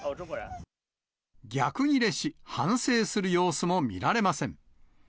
逆ギレし、反省する様子も見られません。